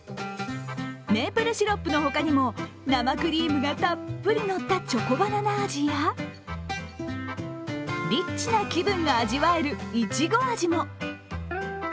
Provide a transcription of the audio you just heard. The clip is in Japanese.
メープルシロップの他にも生クリームがたっぷりのったチョコバナナ味やリッチな気分が味わえるいちご味も。